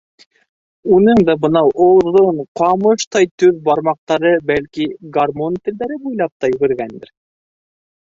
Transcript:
Уның да бынау оҙон, ҡамыштай төҙ бармаҡтары, бәлки, гармун телдәре буйлап та йүгергәндер...